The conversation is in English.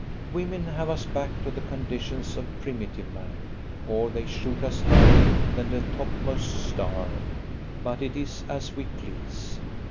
Women have us back to the conditions of primitive man, or they shoot us higher than the topmost star. But it is as we please.